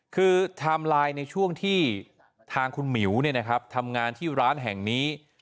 คือไทม์ไลน์ในช่วงที่ทางคุณหมิวทำงานที่ร้านแห่งนี้